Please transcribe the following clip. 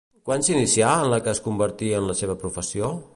Quan s'inicià en la que es convertí en la seva professió?